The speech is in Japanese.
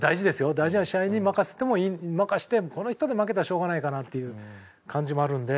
大事な試合に任せてこの人で負けたらしょうがないかなっていう感じもあるので。